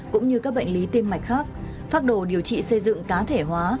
cũng như các bệnh lý tim mạch khác phác đồ điều trị xây dựng cá thể hóa